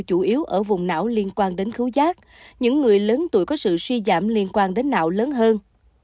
chủ yếu ở vùng não liên quan đến khứu rác những người lớn tuổi có sự suy giảm liên quan đến não lớn hơn